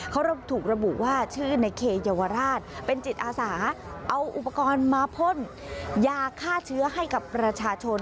เขาถูกระบุว่าชื่อในเคเยาวราชเป็นจิตอาสาเอาอุปกรณ์มาพ่นยาฆ่าเชื้อให้กับประชาชน